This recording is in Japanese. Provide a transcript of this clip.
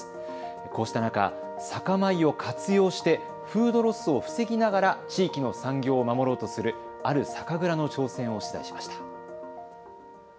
こうした中、酒米を活用してフードロスを防ぎながら地域の産業を守ろうとするある酒蔵の挑戦を取材しました。